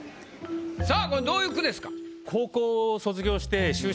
さぁこれどういう句ですか？